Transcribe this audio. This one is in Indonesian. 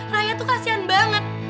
raya tuh kasihan banget